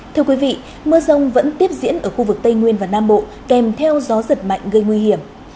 thưa quý vị mưa rông vẫn tiếp diễn ở khu vực tây nguyên và nam bộ kèm theo gió giật mạnh gây nguy hiểm